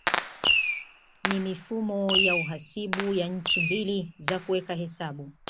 Ni mifumo ya uhasibu ya ncha mbili za kuweka hesabu